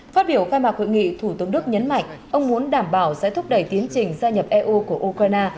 phát biểu khai mạc hội nghị thủ tướng đức nhấn mạnh ông muốn đảm bảo sẽ thúc đẩy tiến trình gia nhập eu của ukraine